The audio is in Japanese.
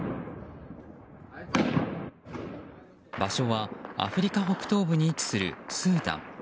場所はアフリカ北東部に位置するスーダン。